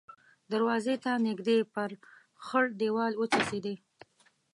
دروازې ته نږدې پر خړ دېوال وڅڅېدې.